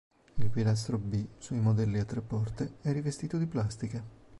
Il pilastro B, sui modelli a tre porte, è rivestito di plastica.